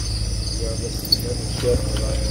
Lliɣ d aselmad n Si Remḍan.